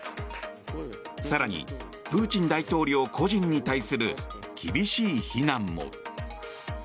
更にプーチン大統領個人に対する厳しい非難も。